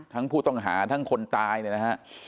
ทั้งผู้ต้องหาทั้งคนตายเนี่ยนะฮะ